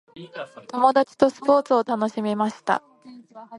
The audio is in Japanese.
友達とスポーツを楽しみました。